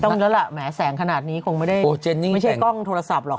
ต้องแล้วล่ะแสงขนาดนี้คงไม่ได้โอ้เจนนี่ไม่ใช่กล้องโทรศัพท์หรอก